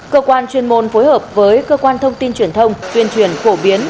cơ quan chuyên môn phối hợp với cơ quan thông tin truyền thông tuyên truyền phổ biến